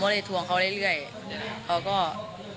ก็เลยถามว่าอ้าวรู้ประกอบ